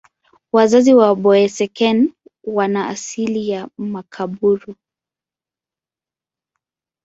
Wazazi wa Boeseken wana asili ya Makaburu.